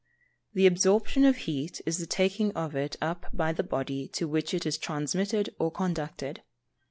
_ The absorption of heat is the taking of it up by the body to which it is transmitted or conducted.